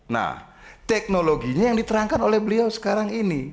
nah teknologinya yang diterangkan oleh beliau sekarang ini